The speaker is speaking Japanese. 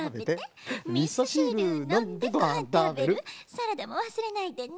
「サラダもわすれないでね」